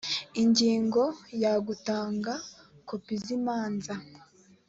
ingingo ya gutanga kopi z imanza